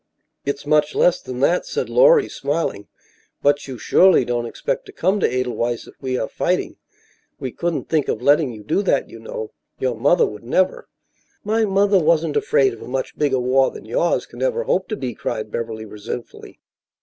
"It's much less than that," said Lorry, smiling, "But you surely don't expect to come to Edelweiss if we are fighting. We couldn't think of letting you do that, you know. Your mother would never " "My mother wasn't afraid of a much bigger war than yours can ever hope to be," cried Beverly, resentfully.